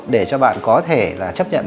để cho bạn có thể là chấp nhận